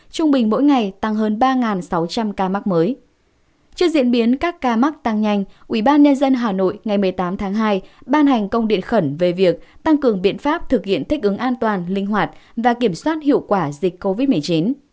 trước diễn biến các ca mắc tăng nhanh ubnd hà nội ngày một mươi tám tháng hai ban hành công điện khẩn về việc tăng cường biện pháp thực hiện thích ứng an toàn linh hoạt và kiểm soát hiệu quả dịch covid một mươi chín